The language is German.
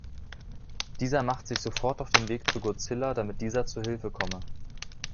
Dieser macht sich sofort auf den Weg zu Godzilla, damit dieser zu Hilfe komme.